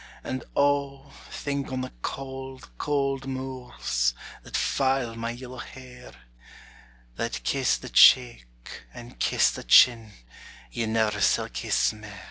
And O, think on the cauld, cauld mools That file my yellow hair, That kiss the cheek, and kiss the chin Ye never sall kiss mair!